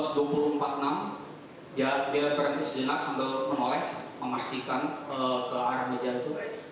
dia berantis jenak sampai menoleh memastikan ke arah meja itu